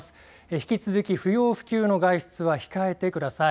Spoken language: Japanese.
引き続き不要不急の外出は控えてください。